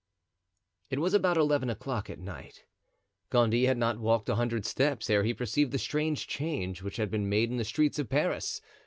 It was about eleven o'clock at night. Gondy had not walked a hundred steps ere he perceived the strange change which had been made in the streets of Paris.